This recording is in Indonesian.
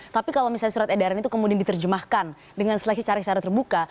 tapi kalau misalnya surat edaran itu kemudian diterjemahkan dengan seleksi cari secara terbuka